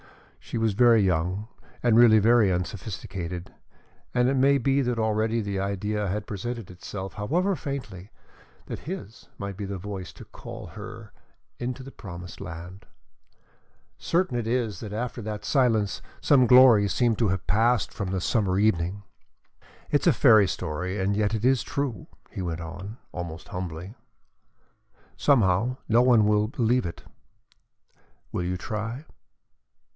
She was very young and really very unsophisticated, and it may be that already the idea had presented itself, however faintly, that his might be the voice to call her into the promised land. Certain it is that after that silence some glory seemed to have passed from the summer evening. "It is a fairy story and yet it is true," he went on, almost humbly. "Somehow, no one will believe it. Will you try?"